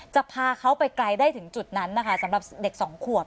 จะพาเขาไปไกลได้ถึงจุดนั้นนะคะสำหรับเด็กสองขวบ